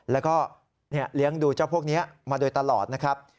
แล้วก็เลี้ยงดูเจ้าพวกนี้มาโดยตลอดนะครับ